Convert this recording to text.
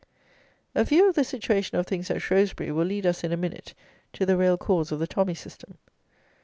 A view of the situation of things at Shrewsbury, will lead us in a minute to the real cause of the tommy system.